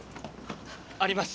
あります！